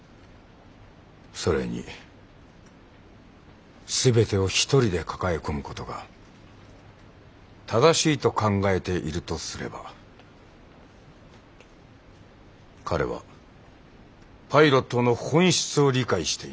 それに全てを一人で抱え込むことが正しいと考えているとすれば彼はパイロットの本質を理解していない。